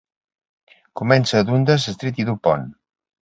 Comença a Dundas Street i Dupont.